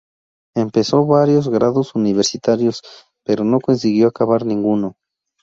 Empezó varios grados universitarios pero no consiguió acabar ninguno.